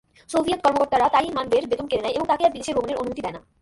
Soviet কর্মকর্তারা তাইমানভের বেতন কেড়ে নেয় এবং তাকে আর বিদেশে ভ্রমণের অনুমতি দেয় না।